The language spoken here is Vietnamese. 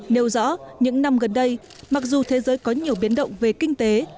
nêu rõ những năm gần đây mặc dù thế giới có nhiều biến động về kinh tế